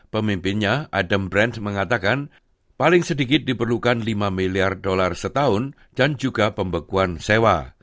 pemimpinnya adam brandt mengatakan paling sedikit diperlukan lima miliar dolar setahun dan juga pembekuan sewa